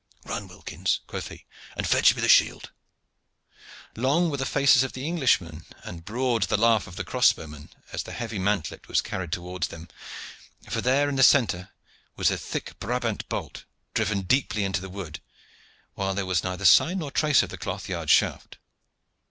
"Run, Wilkins," quoth he, "and fetch me the shield." Long were the faces of the Englishmen and broad the laugh of the crossbowmen as the heavy mantlet was carried towards them, for there in the centre was the thick Brabant bolt driven deeply into the wood, while there was neither sign nor trace of the cloth yard shaft.